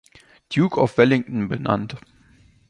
Duke of Wellington benannt.